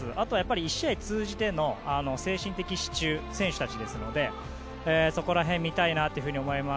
１試合通じての精神的支柱選手ですのでそこら辺、見たいなというふうに思います。